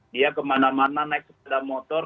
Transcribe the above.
dia kemana mana naik sepeda motor